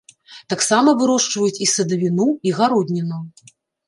Таксама вырошчваюць і садавіну, і гародніну.